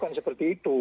dan seperti itu